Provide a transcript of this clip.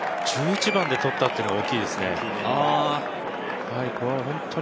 １１番で取ったというのが大きいですね。